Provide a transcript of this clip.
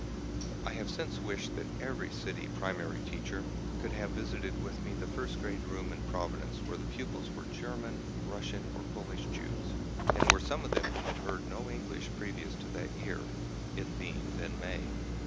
I have since wished that every city primary teacher could have visited with me the first grade room in Providence where the pupils were German, Russian, or Polish Jews, and where some of them had heard no English previous to that year, it being then May.